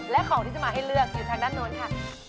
และของที่จะมาให้เลือกอยู่ทางด้านโน้นค่ะ